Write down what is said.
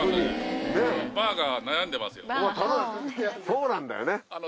そうなんだよね。